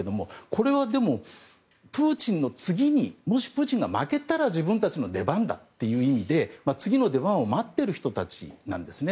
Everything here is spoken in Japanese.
これは、プーチンの次にもしプーチンが負けたら自分たちの出番だという意味で次の出番を待っている人たちなんですね。